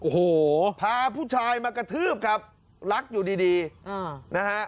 โอ้โหพาผู้ชายมากระทืบครับรักอยู่ดีนะฮะ